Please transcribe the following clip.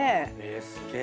すげえな。